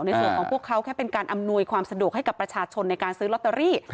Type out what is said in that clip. ในส่วนของพวกเขาแค่เป็นการอำนวยความสะดวกให้กับประชาชนในการซื้อลอตเตอรี่